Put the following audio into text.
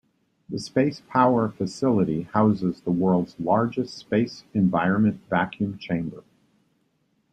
The Space Power Facility houses the world's largest space environment vacuum chamber.